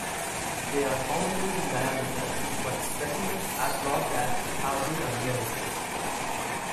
They are commonly in diameter, but specimens as large as have been observed.